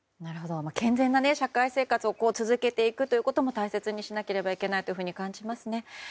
健全な社会生活を続けていくことも大切にしなければいけないと感じますね。